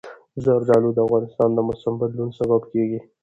زردالو د افغانستان د موسم د بدلون سبب کېږي.